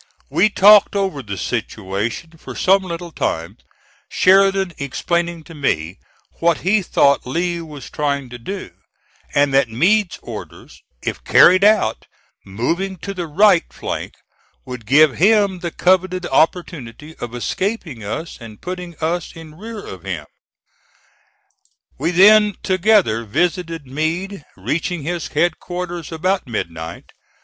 We talked over the situation for some little time, Sheridan explaining to me what he thought Lee was trying to do, and that Meade's orders, if carried out, moving to the right flank, would give him the coveted opportunity of escaping us and putting us in rear of him. We then together visited Meade, reaching his headquarters about midnight.